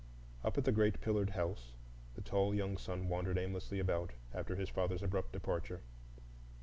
Up at the great pillared house the tall young son wandered aimlessly about after his father's abrupt departure.